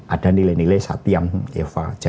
ada nilai nilai satyam eva